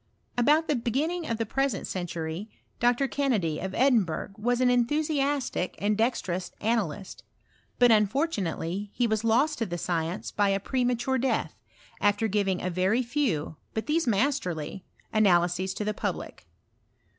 About the begin ning of the present century, Dr. Kennedy, of Edin burgh, was an enthusiastic and dexterous analyst; but unfortunately he was lost to the science by a premature death, after giving a very few, but these masterly, analyses to the public.